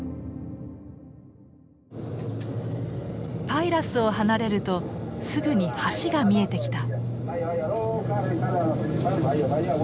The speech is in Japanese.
パイラスを離れるとすぐに橋が見えてきた。